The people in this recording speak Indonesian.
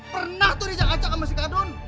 pernah tuh dijak jak sama si kardun